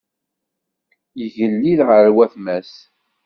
Yigellil gar watma-s.